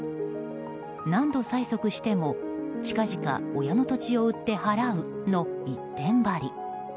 何度催促しても近々、親の土地を売って払うの一点張り。